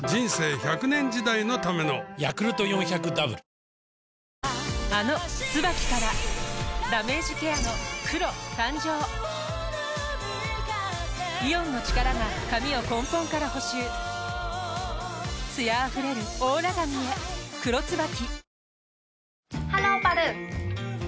イライラには緑の漢方セラピーあの「ＴＳＵＢＡＫＩ」からダメージケアの黒誕生イオンの力が髪を根本から補修艶あふれるオーラ髪へ「黒ＴＳＵＢＡＫＩ」